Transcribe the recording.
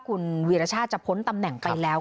คุณวีรชาติจะพ้นตำแหน่งไปแล้ว